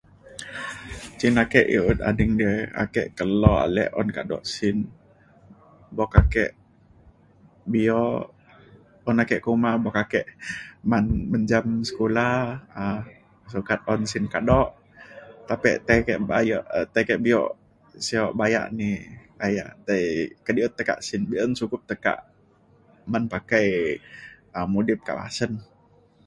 cin ake i'iut ading re, ake kelok alik un kaduk sin boka kek biuk un ake kuma boka ake man menjam sekula um sukat un sin kaduk. tapi tai ke' bayek tai ke' biuk siok bayak ni bayak tai kediut teka sin be'un cukup tekak man pakai um mudip ke pasen.